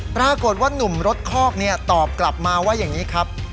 ปรากฏว่านุ่มรถคอกตอบกลับมาว่าอย่างนี้ครับ